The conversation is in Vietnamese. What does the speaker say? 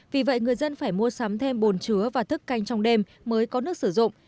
vì vậy người dân phải mua sắm thêm bồn chứa và thức canh trong đêm mới có nước sử dụng